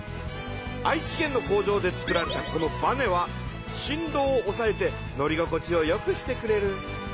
愛知県の工場で作られたこのバネはしん動をおさえて乗りごこちをよくしてくれる。